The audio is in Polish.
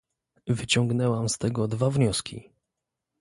Wyciągnęłam z tego dwa wnioski